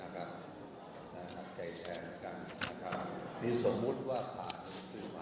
ใกล้แทนนะคะยันสมมติว่าผ่านคือคือ